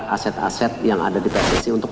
aset aset yang ada di pssi untuk